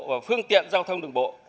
và phương tiện giao thông đường bộ